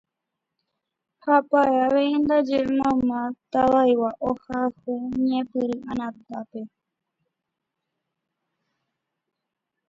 ha pya'e avei ndaje mayma Tava'igua ohayhu ñepyrũ Anatápe